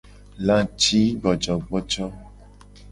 Lacigbojogbojo.